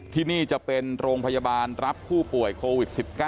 ที่นี่จะเป็นโรงพยาบาลรับผู้ป่วยโควิด๑๙